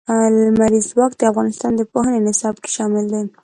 لمریز ځواک د افغانستان د پوهنې نصاب کې شامل دي.